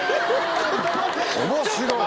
面白い！